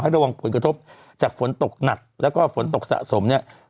ให้ระวังผลกระทบจากฝนตกหนักและก็ฝนตกสะสม